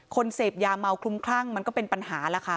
เสพยาเมาคลุมคลั่งมันก็เป็นปัญหาล่ะค่ะ